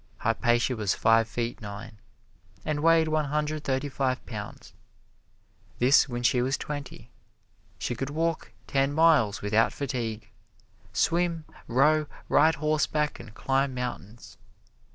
Hypatia was five feet nine, and weighed one hundred thirty five pounds. This when she was twenty. She could walk ten miles without fatigue; swim, row, ride horseback and climb mountains.